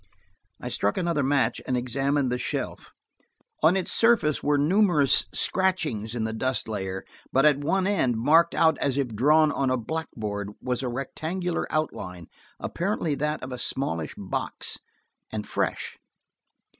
I struck another match and examined the shelf. On its surface were numerous scratchings in the dust layer, but at one end, marked out as if drawn on a blackboard, was a rectangular outline, apparently that of a smallish box, and fresh.